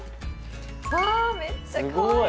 わあめっちゃかわいい。